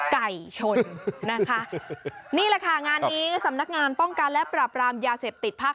ไก่ชนนะคะนี่แหละค่ะงานนี้สำนักงานป้องกันและปรับรามยาเสพติดภาค